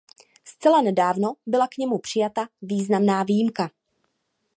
Zcela nedávno byla k němu přijata významná výjimka.